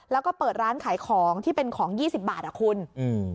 แล้วก็เปิดร้านขายของที่เป็นของยี่สิบบาทอ่ะคุณอืม